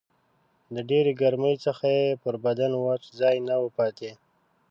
د ډېرې ګرمۍ څخه یې پر بدن وچ ځای نه و پاته